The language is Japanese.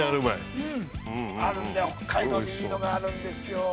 あるんだよ、北海道にいいのがあるんですよ。